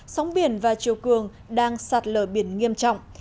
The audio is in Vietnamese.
sóng biển và chiều cường đang sạt lở biển nghiêm trọng